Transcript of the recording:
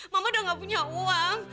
mama udah gak punya uang